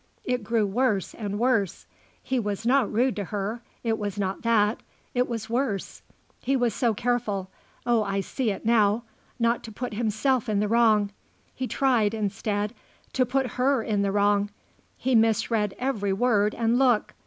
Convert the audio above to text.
It grew worse and worse. He was not rude to her. It was not that. It was worse. He was so careful oh I see it now not to put himself in the wrong. He tried, instead, to put her in the wrong. He misread every word and look.